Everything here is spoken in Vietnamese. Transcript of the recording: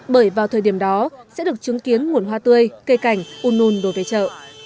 bởi vào thời điểm đó sẽ được chứng kiến nguồn hoa tươi cây cảnh un un đối với chợ